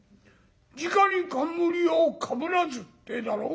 『じかに冠をかぶらず』って言うだろ？